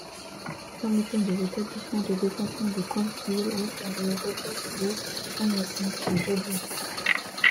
Fermeture des établissements de détention de Cowansville, Waterloo, Rivière-du-Loup, Saint-Hyacinthe et Joliette.